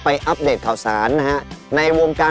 อัปเดตข่าวสารนะฮะในวงการ